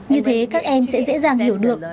như thế các em sẽ dễ dàng hiểu được